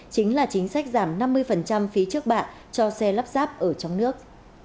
chính là chính sách giảm năm mươi phí trước bạ cho xe lắp ráp ở trong nước